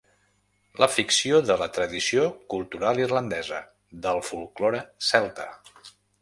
La ficció de la tradició cultural irlandesa, del folklore celta.